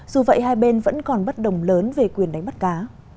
dù vậy hai bên vẫn còn bất đồng lớn về quyền đánh bắt cá